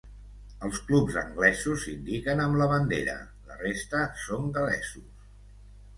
Els clubs anglesos s'indiquen amb la bandera, la resta són gal·lesos.